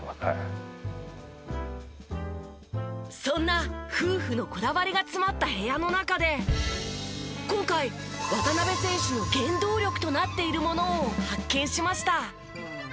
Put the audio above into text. そんな夫婦のこだわりが詰まった部屋の中で今回渡邊選手の原動力となっているものを発見しました。